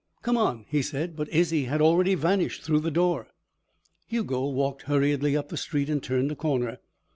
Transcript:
"Come on," he said, but Izzie had already vanished through the door. Hugo walked hurriedly up the street and turned a corner.